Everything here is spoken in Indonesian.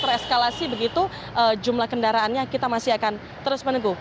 ekskalasi begitu jumlah kendaraannya kita masih akan terus menunggu